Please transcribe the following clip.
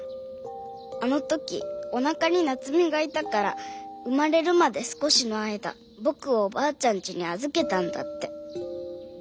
あの時おなかになつみがいたから生まれるまで少しの間僕をおばあちゃんちに預けたんだって。